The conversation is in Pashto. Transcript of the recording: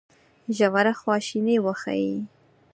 ژوره خواشیني وښيي.